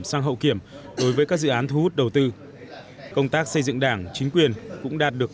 sang hậu kiểm đối với các dự án thu hút đầu tư công tác xây dựng đảng chính quyền cũng đạt được